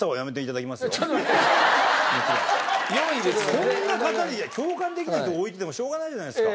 そんな方共感できない人置いててもしょうがないじゃないですか。